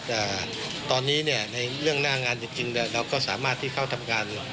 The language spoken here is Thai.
แต่ตอนนี้เนี่ยในเรื่องหน้างานจริงเราก็สามารถที่เข้าทำงาน